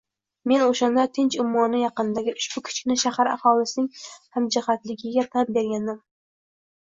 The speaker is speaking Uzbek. Men o‘shanda Tinch ummoni yaqinidagi ushbu kichkina shahar aholisining hamjihatligi tan bergandim.